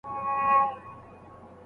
د مقالې موضوع نه پټول کېږي.